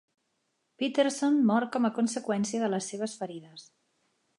Peterson mor com a conseqüència de les seves ferides.